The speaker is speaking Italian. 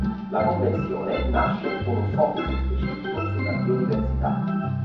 La Convenzione nasce con un focus specifico sulla biodiversità.